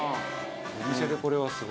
お店でこれはすごい。